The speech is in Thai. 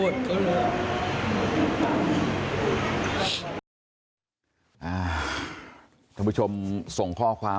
สุดท้าย